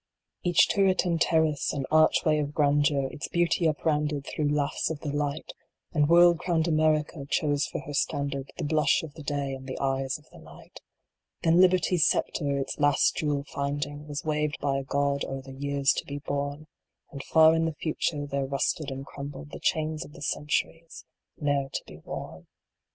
Each turret, and terrace, and archway of grandeur, Its beauty up rounded through laughs of the light ; And world crown d America chose for her standard The blush of the Day and the eyes of the Night Then Liberty s sceptre, its last jewel finding, Was waved by a God o er the years to be born, And far in the future there rusted and crumbled The chains of the centuries, ne er to be worn.